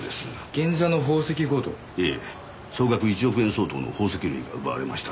ええ総額１億円相当の宝石類が奪われました。